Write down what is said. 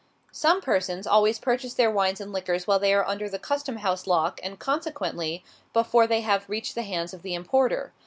Some persons always purchase their wines and liquors while they are under the custom house lock and consequently before they have reached the hands of the importer.